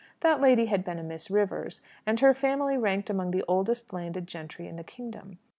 That lady had been a Miss Rivers, and her family ranked among the oldest landed gentry in the kingdom.